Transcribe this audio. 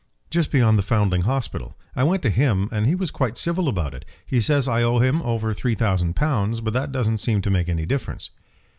"Just beyond the Foundling Hospital. I went to him, and he was quite civil about it. He says I owe him over three thousand pounds, but that doesn't seem to make any difference."